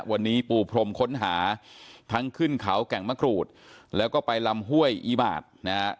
วันนี้ปูพรมค้นหาทั้งขึ้นเขาแก่งมะกรูดแล้วก็ไปลำห้วยอีบาดนะฮะ